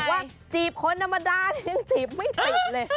ว่าจีบคนธรรมดายังจีบไม่ติดเลย